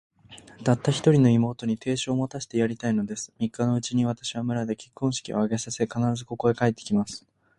たった一人の妹に、亭主を持たせてやりたいのです。三日のうちに、私は村で結婚式を挙げさせ、必ず、ここへ帰って来ます。